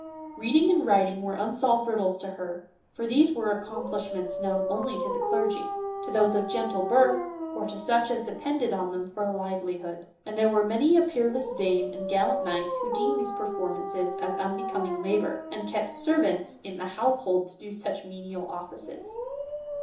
Beading and writing were unsolved riddles to her, for these were accomplishments known only to the clergy, to those of gentle birth, or to such as depended on them for a livelihood ; and there were many a peerless dame and gallant knight, who deemed these performances an unbecoming labor, and kept servants in the house hold to do such menial offices.